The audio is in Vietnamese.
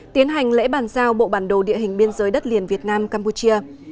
tiến hành lễ bàn giao bộ bản đồ địa hình biên giới đất liền việt nam campuchia